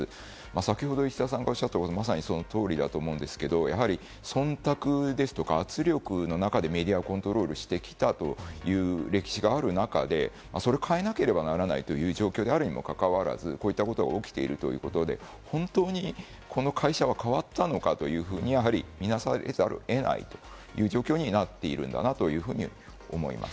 先ほど石田さんがおっしゃったこと、まさにその通りだと思うんですけれど、忖度ですとか圧力の中でメディアをコントロールしてきたという歴史がある中で、それを変えなければならないという状況であるにもかかわらず、こういったことが起きているということで、本当にこの会社は変わったのかというふうに見ざるを得ないという状況になっているかなと思います。